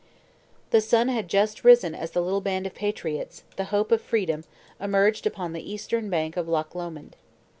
The sun had just risen as the little band of patriots, the hope of freedom, emerged upon the eastern bank of Loch Lomond.